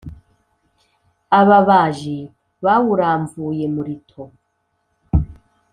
Ababaji bawuramvuye Mulito